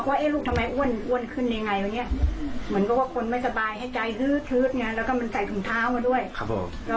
ก็บอกถ้าน้ำไม่สบายแหงไหนมาเปิดไฟยังไงมันค่ะ